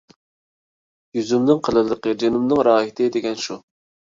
«يۈزۈمنىڭ قېلىنلىقى جېنىمنىڭ راھىتى» دېگەن شۇ.